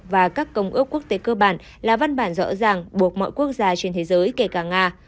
và các công ước quốc tế cơ bản là văn bản rõ ràng buộc mọi quốc gia trên thế giới kể cả nga